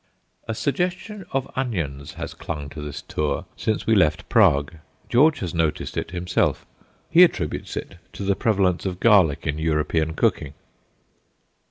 A suggestion of onions has clung to this tour since we left Prague. George has noticed it himself. He attributes it to the prevalence of garlic in European cooking.